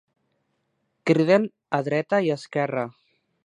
Criden a dreta i esquerra.